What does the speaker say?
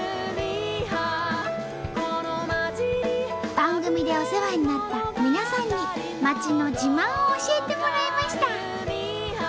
番組でお世話になった皆さんに町の自慢を教えてもらいました！